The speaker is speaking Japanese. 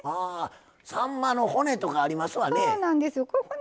さんまの骨とかありますわね。